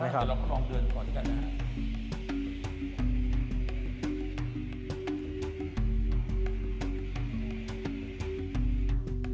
ถูกต้องจะลองพร้อมเดินก่อนดีกันนะครับ